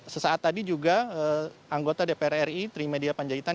sesaat tadi juga anggota dpr ri trimedia panjaitan